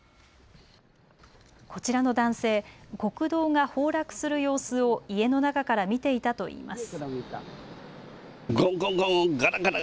こちらの男性、国道が崩落する様子を家の中から見ていたといいます。